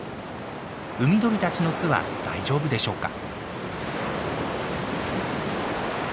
海鳥たちの巣は大丈夫でしょうか？